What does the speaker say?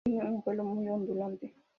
Tiene un vuelo muy ondulante.